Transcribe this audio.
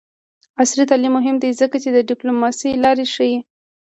عصري تعلیم مهم دی ځکه چې د ډیپلوماسۍ لارې ښيي.